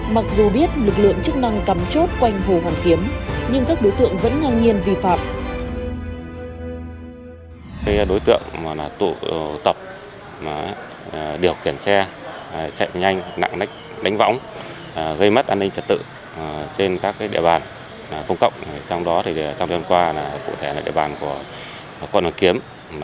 mặc dù biết lực lượng chức năng cắm chốt quanh hồ hoàn kiếm